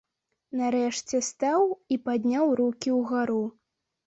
Нарэшце стаў і падняў рукі ўгару.